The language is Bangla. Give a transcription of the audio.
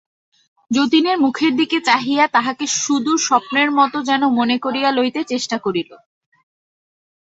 যতীনের মুখের দিকে চাহিয়া তাহাকে সুদূর স্বপ্নের মতো যেন মনে করিয়া লইতে চেষ্টা করিল।